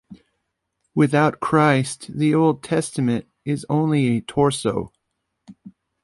Without Christ the Old Testament is only a torso.